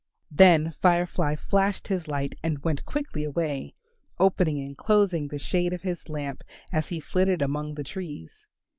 Then Fire fly flashed his light and went quickly away, opening and closing the shade of his lamp as he flitted among the trees.